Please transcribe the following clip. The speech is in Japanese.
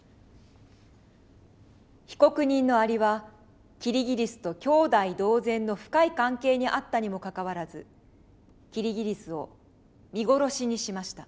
被告人のアリはキリギリスと兄弟同然の深い関係にあったにもかかわらずキリギリスを見殺しにしました。